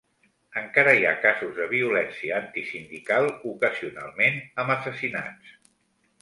Encara hi ha casos de violència antisindical, ocasionalment amb assassinats.